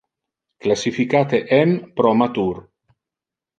Classificate M pro matur.